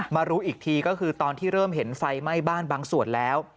รู้อีกทีก็คือตอนที่เริ่มเห็นไฟไหม้บ้านบางส่วนแล้ว